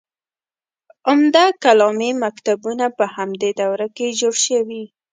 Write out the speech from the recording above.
عمده کلامي مکتبونه په همدې دوره کې جوړ شوي.